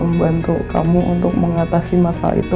membantu kamu untuk mengatasi masalah itu